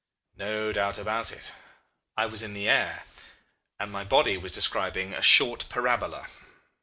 No doubt about it I was in the air, and my body was describing a short parabola.